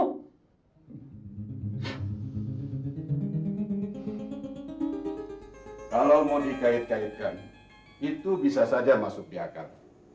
kalau mau dikait kaitkan itu bisa saja masuk di akar